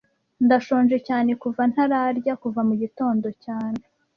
Ndashonje cyane kuva ntararya kuva mugitondo cyane